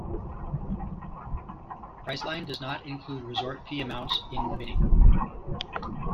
Priceline does not include resort fee amounts in the bidding.